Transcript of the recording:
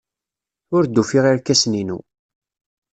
Ur d-ufiɣ irkasen-inu.